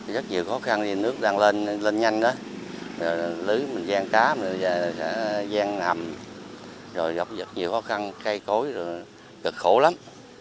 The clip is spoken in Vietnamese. rồi gặp nhiều khó khăn cây cối cực khổ lắm